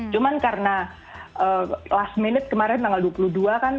cuma karena last minute kemarin tanggal dua puluh dua kan